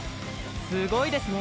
すごいですね。